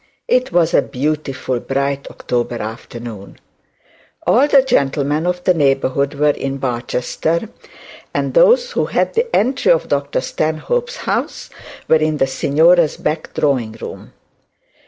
It was a beautifully bright October afternoon; all the gentlemen of the neighbourhood were in Barchester, and those who had the entry of Dr Stanhope's house were in the signora's back drawing room.